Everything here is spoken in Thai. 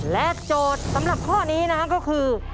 โจทย์สำหรับข้อนี้นะครับก็คือ